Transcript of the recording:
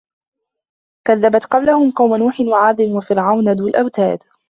كَذَّبَت قَبلَهُم قَومُ نوحٍ وَعادٌ وَفِرعَونُ ذُو الأَوتادِ